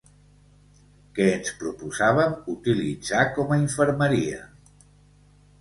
...que ens proposàvem utilitzar com a infermeria